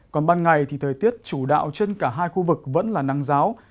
còn ban ngày thì thời tiết chủ đạo trên cả hai khu vực vẫn là nắng giáo